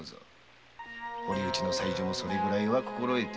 堀内の妻女もそれぐらい心得ていよう。